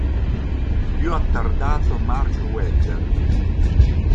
Più attardato Mark Webber.